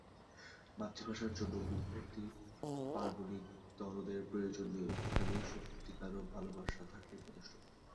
মাতৃভাষার জন্য বুকভর্তি পার্বণিক দরদের প্রয়োজন নেই, একটুখানি সত্যিকার ভালোবাসা থাকলেই যথেষ্ট।